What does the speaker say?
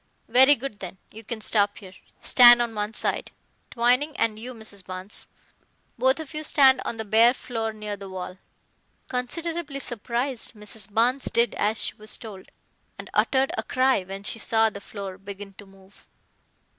"Very good then, you can stop here. Stand on one side, Twining, and you, Mrs. Barnes. Both of you stand on the bare floor near the wall." Considerably surprised, Mrs. Barnes did as she was told, and uttered a cry when she saw the floor begin to move.